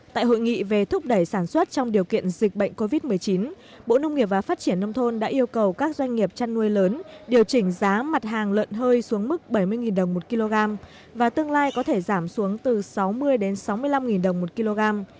tại hội nghị về thúc đẩy sản xuất trong điều kiện dịch bệnh covid một mươi chín bộ nông nghiệp và phát triển nông thôn đã yêu cầu các doanh nghiệp chăn nuôi lớn điều chỉnh giá mặt hàng lợn hơi xuống mức bảy mươi đồng một kg và tương lai có thể giảm xuống từ sáu mươi đến sáu mươi năm đồng một kg